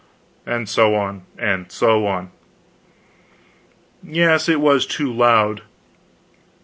and so on, and so on. Yes, it was too loud.